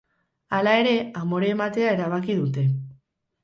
Hala ere, amore ematea erabaki dute.